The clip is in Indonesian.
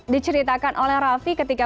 diceritakan oleh raffi ketika